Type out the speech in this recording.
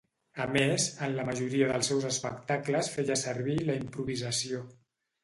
A més, en la majoria dels seus espectacles feia servir la improvisació.